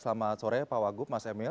selamat sore pak wagup mas emil